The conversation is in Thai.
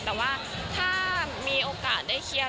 แต่ว่าถ้ามีโอกาสได้เชียร์